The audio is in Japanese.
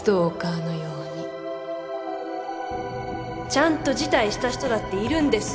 ちゃんと辞退した人だっているんです